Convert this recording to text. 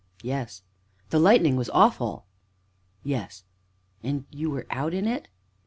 "Yes." "The lightning was awful!" "Yes." "And you were out in it?"